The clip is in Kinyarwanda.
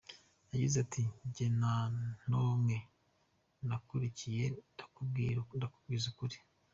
Yagize ati “Njye nta ndonke nakurikiye ndakubwiza ukuri.